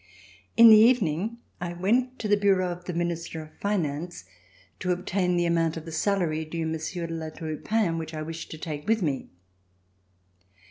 In the evening, I went to the bureau of the Minister of Finance to obtain the amount of the salary due Monsieur de La Tour du Pin, which I wished to take with me.